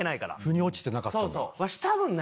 腑に落ちてなかったんだ。